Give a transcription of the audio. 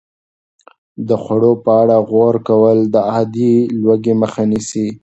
د خوړو په اړه غور کول د عادتي لوږې مخه نیسي.